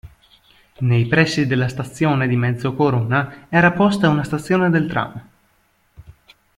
Nei pressi della stazione di Mezzocorona era posta una stazione del tram.